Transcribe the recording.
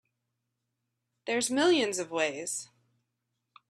There's millions of ways.